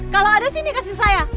kalo ada sih ini kasih saya